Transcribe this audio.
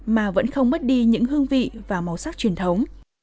mà vẫn không mất đi những hương vị và nguyên liệu